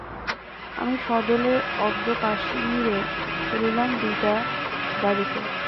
আমি সদলে অদ্য কাশ্মীরে চলিলাম দুইটার গাড়ীতে।